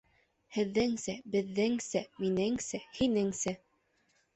Һеҙҙеңсә, беҙҙеңсә, минеңсә, һинеңсә